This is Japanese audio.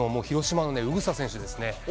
広島の宇草選手ですね。